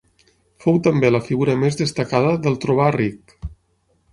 Fou també la figura més destacada del trobar ric.